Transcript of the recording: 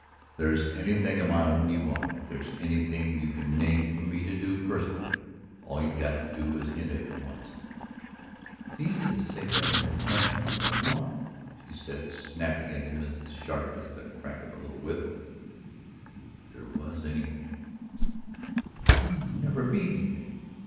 "If there's anything of my own you want, if there's anything you can name for me to do, personally, all you've got to do is hint at it once." "It's easy to say that when there's nothing else I want!" she said, snapping it at him as sharp as the crack of a little whip. "If there was anything " "There'll never be anything!"